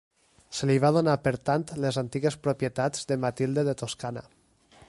Se li va donar per tant les antigues propietats de Matilde de Toscana.